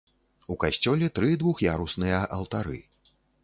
У касцёле тры двух'ярусныя алтары.